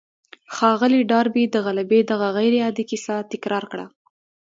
ښاغلي ډاربي د غلبې دغه غير عادي کيسه تکرار کړه.